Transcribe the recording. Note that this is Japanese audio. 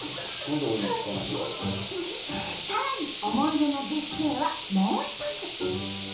さらに思い出の絶景はもう一つ。